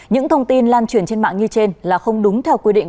những thông tin lan truyền trên mạng như trên là không đúng theo quy định